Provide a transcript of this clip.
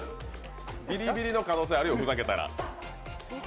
ビリビリの可能性あるよ、ふざけたら。